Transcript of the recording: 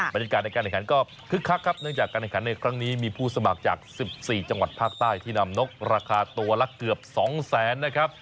บรรยากาศในการแข่งขันก็คึกคักครับเนื่องจากการแข่งขันในครั้งนี้มีผู้สมัครจาก๑๔จังหวัดภาคใต้ที่นำนกราคาตัวละเกือบ๒แสนนะครับ